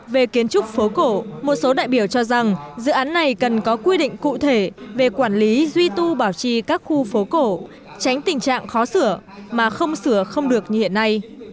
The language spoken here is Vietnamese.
về kiến trúc phố cổ một số đại biểu cho rằng dự án này cần có quy định cụ thể về quản lý duy tu bảo trì các khu phố cổ tránh tình trạng khó sửa mà không sửa không được như hiện nay